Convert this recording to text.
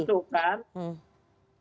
kalau memang dimasukkan